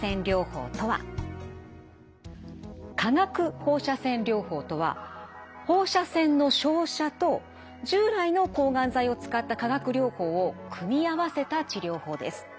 化学放射線療法とは放射線の照射と従来の抗がん剤を使った化学療法を組み合わせた治療法です。